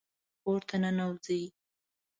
کور ته ننوځئ